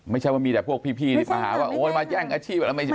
ไม่ใช่ว่ามีแต่พวกพี่มาหาว่าโอ๊ยมาแย่งอาชีพอะไรไม่ใช่